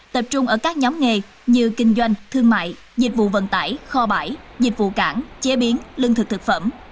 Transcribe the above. tập trung ở các nhóm nghề như kinh doanh thương mại dịch vụ vận tải kho bãi dịch vụ cảng chế biến lương thực thực phẩm